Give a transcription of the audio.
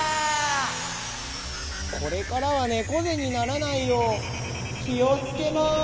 これからはねこぜにならないようきをつけます。